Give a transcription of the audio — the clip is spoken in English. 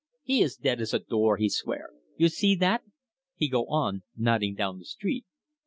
'He is dead as a door,' he swear. 'You see that?' he go on, nodding down the street.